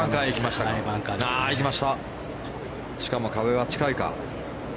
しかも壁は近いか。